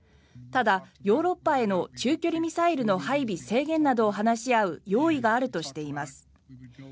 ただ、ヨーロッパへの中距離ミサイル配備制限などを話し合う用意があるとしています。